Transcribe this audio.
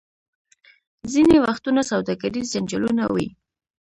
ځینې وختونه سوداګریز جنجالونه وي.